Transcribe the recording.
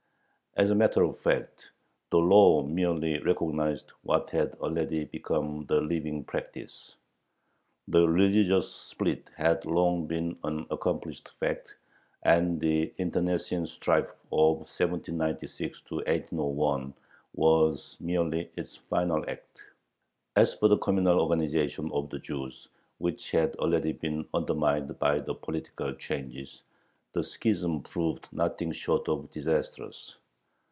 As a matter of fact, the law merely recognized what had already become the living practice. The religious split had long been an accomplished fact, and the internecine strife of 1796 1801 was merely its final act. As for the communal organization of the Jews, which had already been undermined by the political changes, the schism proved nothing short of disastrous.